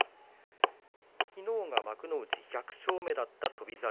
昨日が幕内１００勝目だった翔猿